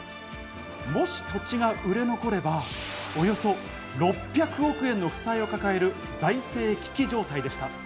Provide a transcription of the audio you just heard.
もし土地が売れ残れば、およそ６００億円の負債を抱える財政危機状態でした。